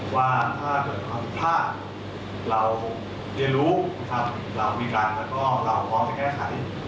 ว่าถ้าเกิดทำพลาดเราเรียนรู้นะครับเรามีการแล้วก็เราพร้อมจะแก้ไข